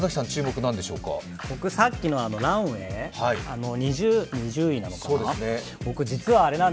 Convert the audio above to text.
僕、さっきの「ランウェイ」、２０位なのかな。